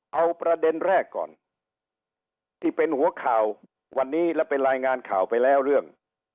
เอาประเด็นแรกก่อนที่เป็นหัวข่าววันนี้และเป็นรายงานข่าวไปแล้วเรื่อง